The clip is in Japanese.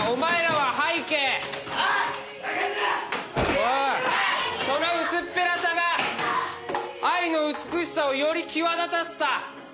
おいその薄っぺらさが愛の美しさをより際立たせた。